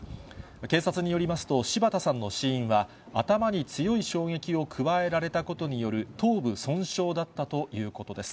警察によりますと、柴田さんの死因は、頭に強い衝撃を加えられたことによる頭部損傷だったということです。